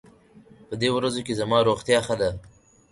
په دې ورځو کې زما روغتيا ښه ده.